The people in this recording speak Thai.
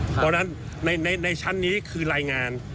เพราะฉะนั้นในชั้นนี้คือรายงาน